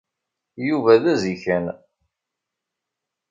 Yuba d azikan.